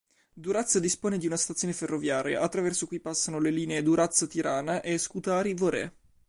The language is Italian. Durazzo dispone di una stazione ferroviaria attraverso cui passano le linee Durazzo-Tirana e Scutari-Vorë.